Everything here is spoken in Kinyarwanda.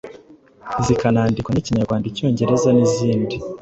zikanandikwa nk’Ikinyarwanda, Icyongereza n’izindi